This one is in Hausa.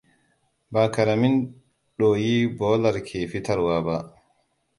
Ba ƙaramin ɗoyi bolar ke fitarwa ba.